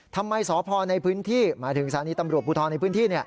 ทำไมสพในพื้นที่หมายถึงสถานีตำรวจภูทรในพื้นที่